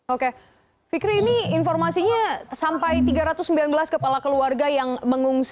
oke fikri ini informasinya sampai tiga ratus sembilan belas kepala keluarga yang mengungsi